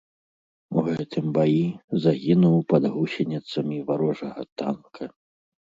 У гэтым баі загінуў пад гусеніцамі варожага танка.